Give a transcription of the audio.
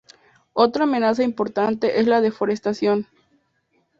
Otra amenaza importante es la deforestación.